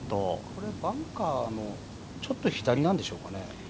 これはバンカーのちょっと左なんでしょうかね。